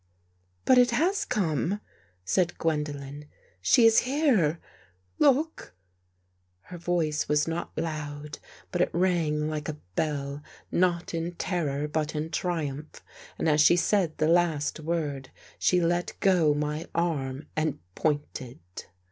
" But it has come," said Gwendolen. " She is here. Look!" Her voice was not loud but it rang like a bell, not in terror but in triumph, and as she said the last word she let go my arm and pointed.